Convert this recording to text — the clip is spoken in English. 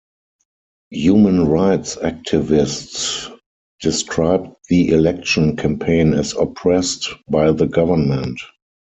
Human rights activists described the election campaign as oppressed by the government.